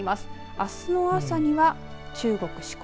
あすの朝には中国、四国